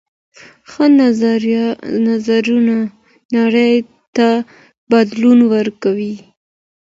ښه نظرونه نړۍ ته بدلون ورکوي.